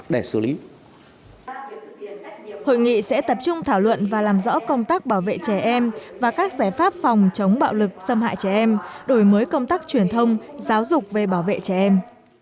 hội nghị sẽ tập trung thảo luận và làm rõ công tác bảo vệ trẻ em và các giải pháp phòng chống bạo lực xâm hại trẻ em đổi mới công tác truyền thông giáo dục về bảo vệ trẻ em